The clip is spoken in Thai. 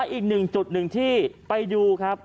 อีก๑จุด๑ที่ไปดูครับ